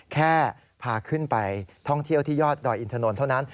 แค่พาขึ้นไปท่องเที่ยวที่ยอดดอยอินทนนท์เท่านั้น